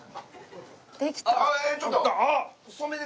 できた！